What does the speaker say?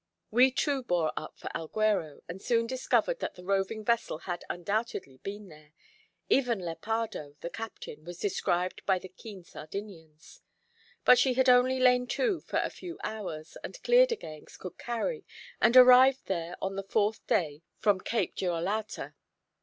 We too bore up for Alghero, and soon discovered that the roving vessel had undoubtedly been there: even Lepardo, the captain, was described by the keen Sardinians. But she had only lain to for a few hours, and cleared again for Cagliari. For Cagliari we made sail as hard as the sticks could carry, and arrived there on the fourth day from Cape Girolata.